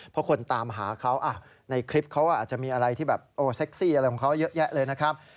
เพราะคนตามหาเขาในคลิปเขาอาจจะมีอะไรที่แบบเซ็กซี่อะไรของเขาเยอะแยะเลยนะครับ